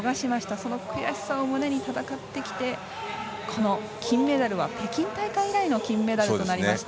その悔しさを胸に戦ってきてこの金メダルは北京大会以来の金メダルとなりました。